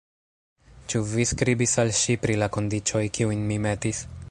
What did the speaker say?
Ĉu vi skribis al ŝi pri la kondiĉoj, kiujn mi metis?